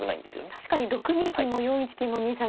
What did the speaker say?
確かに６二金も４一金も２三銀